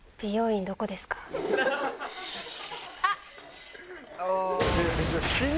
あっ！